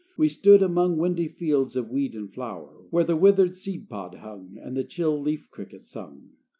We stood among Windy fields of weed and flower, Where the withered seed pod hung, And the chill leaf cricket sung.